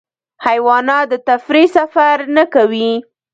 حیوانات د تفریح سفر نه کوي.